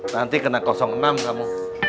nanti kena enam kamu